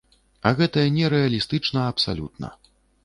А гэта нерэалістычна абсалютна.